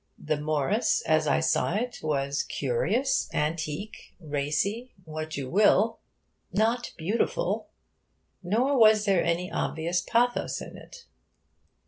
The Morris, as I saw it, was curious, antique, racy, what you will: not beautiful. Nor was there any obvious pathos in it.